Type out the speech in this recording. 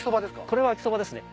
これは秋そばですね。